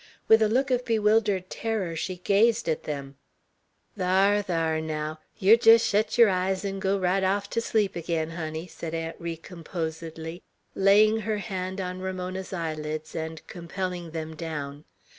With a look of bewildered terror, she gazed at them. "Thar, thar, naow! Yer jest shet yer eyes 'n' go right off ter sleep agin, honey," said Aunt Ri, composedly, laying her hand on Ramona's eyelids, and compelling them down.